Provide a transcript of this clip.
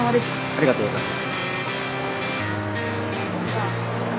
ありがとうございます。